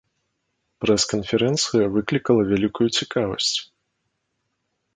Прэс-канферэнцыя выклікала вялікую цікавасць.